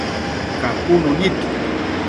capunu nid